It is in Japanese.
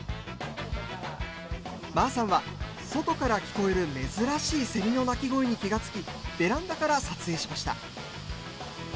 まぁさんは、外から聞こえる珍しいセミの鳴き声に気が付きベランダから撮影しました。